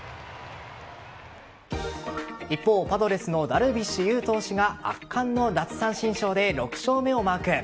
一方パドレスのダルビッシュ有投手が圧巻の奪三振ショーで６勝目をマーク。